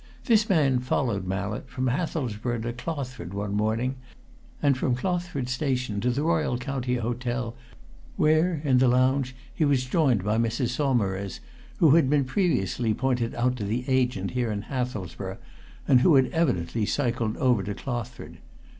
This man followed Mallett from Hathelsborough to Clothford one morning, and from Clothford station to the Royal County Hotel, where, in the lounge, he was joined by Mrs. Saumarez, who had been previously pointed out to the agent here in Hathelsborough, and who had evidently cycled over to Clothford.